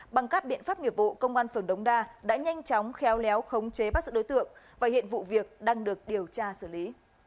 bằng các biện pháp nghiệp vụ công an phường đống đa đã nhanh chóng khéo léo khống chế bắt giữ đối tượng và hiện vụ việc đang được điều tra xử lý